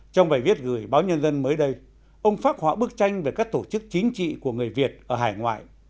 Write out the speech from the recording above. trong bài viết gửi báo nhân dân mới đây ông phát họa bức tranh về các tổ chức chính trị của người việt ở hải ngoại